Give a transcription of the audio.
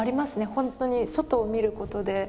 本当に外を見ることで。